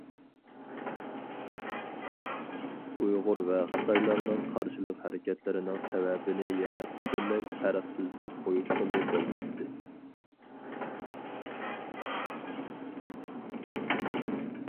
ئۇيغۇر ۋە خىتايلارنىڭ قارشىلىق ھەرىكەتلىرىنىڭ سەۋەبىنى يەنە پۈتۈنلەي پەرقسىز دەپ قويۇشقىمۇ بولمايتتى.